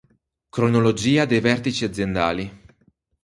Cronologia dei vertici aziendali.